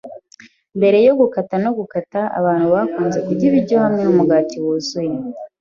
Mbere yo gukata no gukata, abantu bakunze kurya ibiryo hamwe numugati wuzuye.